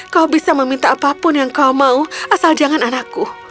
kau bisa meminta apapun yang kau mau asal jangan anakku